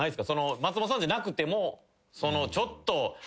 松本さんじゃなくてもちょっと好きすぎて。